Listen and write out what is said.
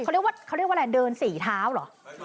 เขาเรียกว่าอะไรเดินสี่เท้าเหรอ